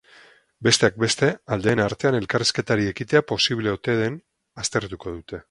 Besteak beste, aldeen artean elkarrizketari ekitea posible oten den aztertuko dute.